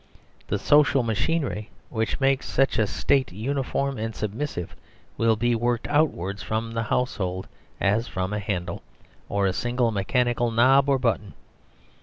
The social machinery which makes such a State uniform and submissive will be worked outwards from the household as from a handle, or a single mechanical knob or button.